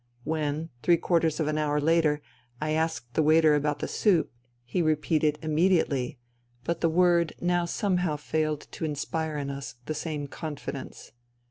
When, three quarters of an hour later, I asked the waiter about the soup, he repeated " Immediately," but the word now somehow failed to inspire in us the same confidence.